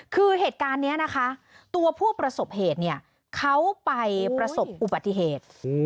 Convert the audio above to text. คือเหตุการณ์นี้นะคะตัวผู้ประสบเหตุเนี่ยเขาไปประสบอุบัติเหตุ